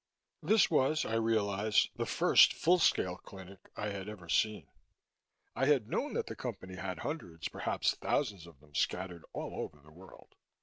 This was, I realized, the first full scale "clinic" I had ever seen. I had known that the Company had hundreds, perhaps thousands, of them scattered all over the world.